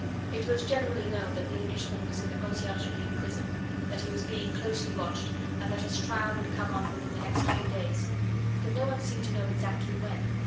It was generally known that the Englishman was in the Conciergerie prison, that he was being closely watched, and that his trial would come on within the next few days; but no one seemed to know exactly when.